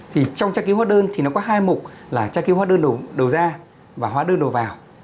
thì trong tra cứu hóa đơn thì nó có hai mục là tra cứu hóa đơn đầu ra và hóa đơn đầu vào